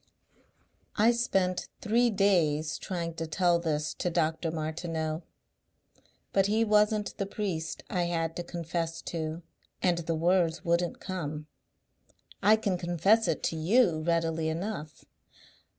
"I spent three days trying to tell this to Dr. Martineau. But he wasn't the priest I had to confess to and the words wouldn't come. I can confess it to you readily enough...."